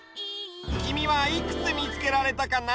きみはいくつみつけられたかな？